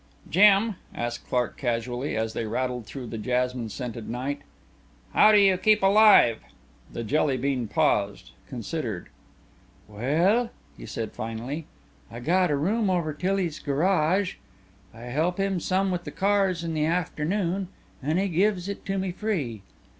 "Jim," asked Clark casually, as they rattled through the jasmine scented night, "how do you keep alive?" The Jelly bean paused, considered. "Well," he said finally, "I got a room over Tilly's garage. I help him some with the cars in the afternoon an' he gives it to me free.